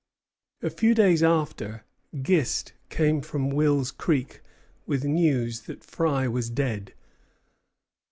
A few days after, Gist came from Wills Creek with news that Fry was dead.